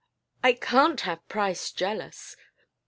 I can't have Price jealous.